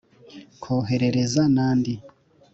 koherereza n’andi